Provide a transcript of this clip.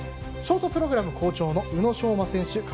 ショートプログラム好調の宇野昌磨選手